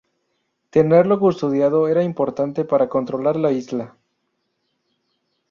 Tenerlo custodiado era importante para controlar la isla.